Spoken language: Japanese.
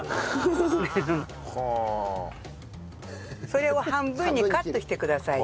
それを半分にカットしてください。